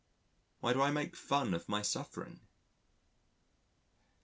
(Why do I make fun of my suffering?)